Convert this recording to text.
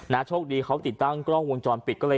โชคดีเขาติดตั้งกล้องวงจรปิดก็เลย